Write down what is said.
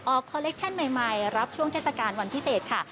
คอลเลคชั่นใหม่รับช่วงเทศกาลวันพิเศษค่ะ